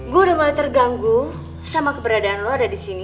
gue udah mulai terganggu sama keberadaan lo ada di sini